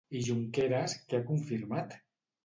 I Junqueras què ha confirmat?